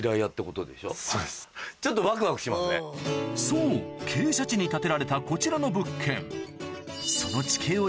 そう傾斜地に建てられたこちらの物件